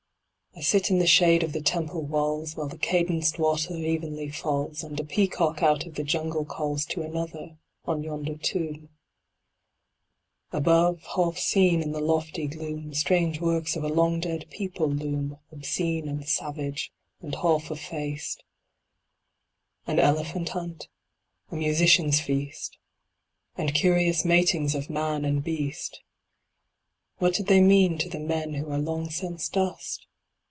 I sit in the shade of the Temple walls, While the cadenced water evenly falls, And a peacock out of the Jungle calls To another, on yonder tomb. Above, half seen, in the lofty gloom, Strange works of a long dead people loom, Obscene and savage and half effaced An elephant hunt, a musicians' feast And curious matings of man and beast; What did they mean to the men who are long since dust?